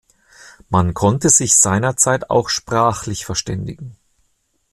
Man konnte sich seinerzeit auch sprachlich verständigen.